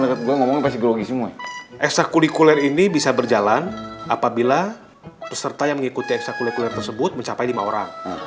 deket gue ngomongin pasti grogi semua ekstra kulikuler ini bisa berjalan apabila peserta yang mengikuti ekstra kulikuler tersebut mencapai lima orang